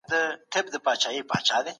تاسو د اوبو په څښلو اخته یاست.